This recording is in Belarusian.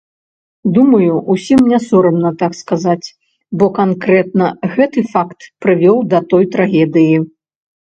Думаю, усім не сорамна так сказаць, бо канкрэтна гэты факт прывёў да той трагедыі.